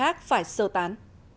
các phải sơ tán